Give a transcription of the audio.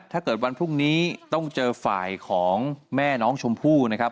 ถ้าเกิดวันพรุ่งนี้ต้องเจอฝ่ายของแม่น้องชมพู่นะครับ